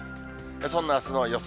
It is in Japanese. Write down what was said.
そんなあすの予想